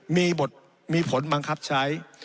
มีบทมีผลบังคับใช้